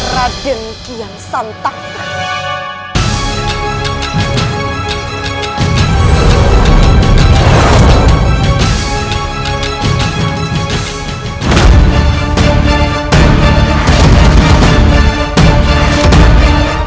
raden kian santak